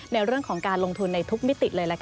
ในเรื่องของการลงทุนในทุกมิติเลย